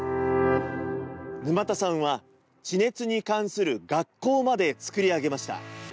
沼田さんは地熱に関する学校まで作り上げました。